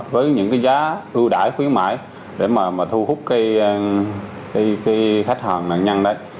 với những cái giá ưu đại khuyến mãi để mà thu hút cái khách hàng nạn nhân đấy